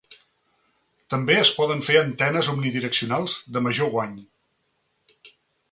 També es poden fer antenes omnidireccionals de major guany.